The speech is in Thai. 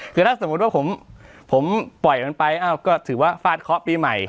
คือถ้าสมมุติว่าผมปล่อยมันไปอ้าวก็ถือว่าฟาดเคาะปีใหม่